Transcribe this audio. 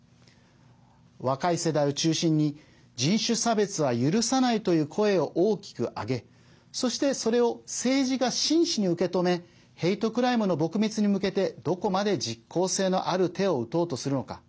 若い世代を中心に人種差別は許さないという声を大きく上げそして、それを政治が真摯に受け止めヘイトクライムの撲滅に向けてどこまで、実効性のある手を打とうとするのか。